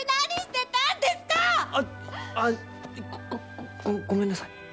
あっ、あご、ごごめんなさい。